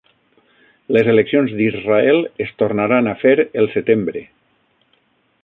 Les eleccions d'Israel es tornaran a fer al setembre